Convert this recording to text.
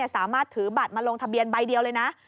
สามารถถือบัตรมาลงทะเบียนใบเดียวเลยนะ